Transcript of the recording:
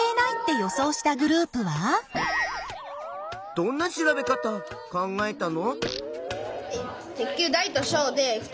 どんな調べ方考えたの？